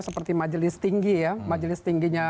seperti majelis tinggi ya majelis tingginya